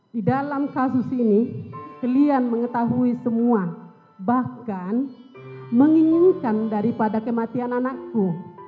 di dalam kasus ini kalian mengetahui semua bahkan menginginkan daripada kematian anakku